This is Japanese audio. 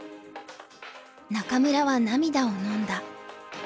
仲邑は涙をのんだ。